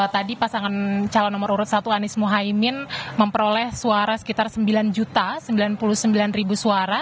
tadi pasangan calon nomor urut satu anies mohaimin memperoleh suara sekitar sembilan sembilan puluh sembilan suara